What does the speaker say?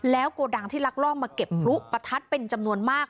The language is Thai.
โกดังที่ลักลอบมาเก็บพลุประทัดเป็นจำนวนมาก